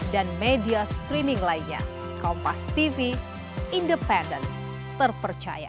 dan media streaming lainnya kompas tv independen terpercaya